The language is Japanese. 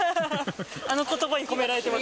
あのことばに込められてます。